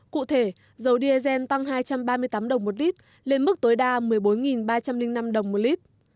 cụ thể dầu diesel tăng hai trăm ba mươi tám đồng một lít lên mức tối đa một mươi bốn ba trăm linh năm đồng một lít